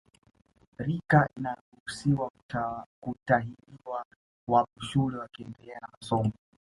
Rika inayoruhusiwa kutahiliwa wapo shule wakiendelea na masomo